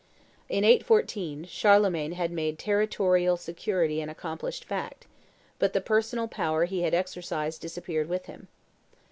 In 814, Charlemagne had made territorial security an accomplished fact; but the personal power he had exercised disappeared with him.